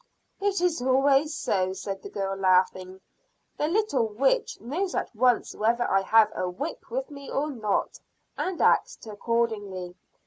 "It is always so," said the girl laughing. "The little witch knows at once whether I have a whip with me or not, and acts accordingly.